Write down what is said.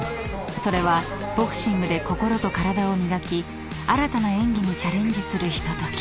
［それはボクシングで心と体を磨き新たな演技にチャレンジするひととき］